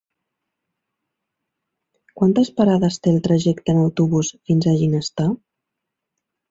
Quantes parades té el trajecte en autobús fins a Ginestar?